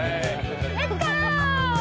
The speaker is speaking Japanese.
レッツゴー！